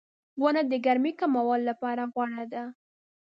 • ونه د ګرمۍ کمولو لپاره غوره ده.